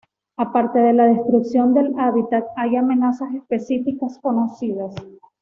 Aparte de la destrucción del hábitat, hay amenazas específicas son conocidas.